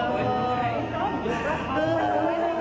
ดูหน่อยหน่อยดูหน่อย